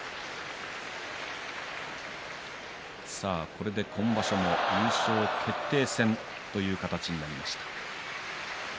これで今場所優勝決定戦という形になりました。